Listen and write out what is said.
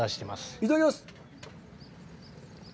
いただきます。